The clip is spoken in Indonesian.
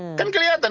itu kan kelihatan